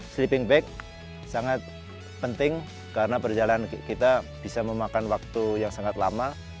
sleeping bag sangat penting karena perjalanan kita bisa memakan waktu yang sangat lama